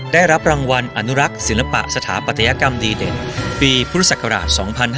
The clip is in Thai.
ได้รับรางวัลอนุรักษ์ศิลปะสถาปัตยกรรมดีเด่นปีพุทธศักราช๒๕๕๙